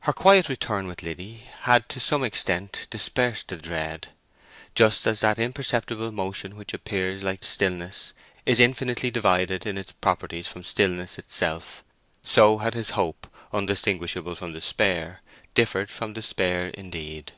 Her quiet return with Liddy had to some extent dispersed the dread. Just as that imperceptible motion which appears like stillness is infinitely divided in its properties from stillness itself, so had his hope undistinguishable from despair differed from despair indeed.